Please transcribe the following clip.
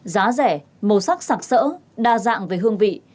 giá rẻ màu sắc sạc sỡ đa dạng về hương vị